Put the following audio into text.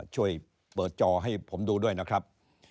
ช่วยเปิดจอให้ผมดูด้วยนะครับ